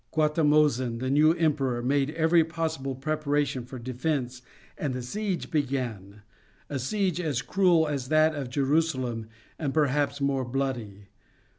Guatimozin, the new emperor, made every possible preparation for defence and the siege began, a siege as cruel as that of Jerusalem and perhaps more bloody.